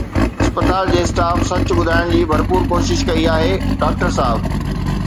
اسپتال جي اسٽاف سچ ٻڌائڻ جي ڀرپور ڪوشش ڪئي آهي، ڊاڪٽر صاحب